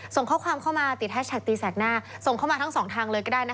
ส่งข้อความเข้ามาส่งเข้ามาทั้งสองทางเลยก็ได้นะคะ